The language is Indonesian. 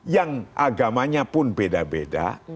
yang agamanya pun beda beda